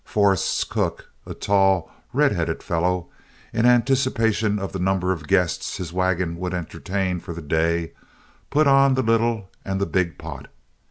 Forrest's cook, a tall, red headed fellow, in anticipation of the number of guests his wagon would entertain for the day, put on the little and the big pot.